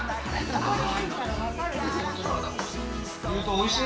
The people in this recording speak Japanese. おいしい？